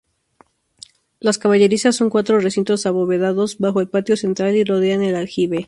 Las caballerizas son cuatro recintos abovedados bajo el patio central y rodean el aljibe.